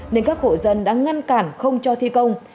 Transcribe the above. nên các hộ dân đã ngăn cản không cho thi công